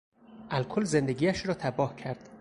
الکل زندگیش را تباه کرد.